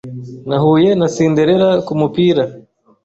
Nahuye na Cinderella kumupira